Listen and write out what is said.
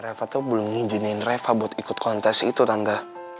reva tuh belum ngijinin reva buat ikut kontes itu tangga